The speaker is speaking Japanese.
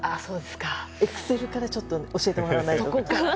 エクセルから教えてもらわないと。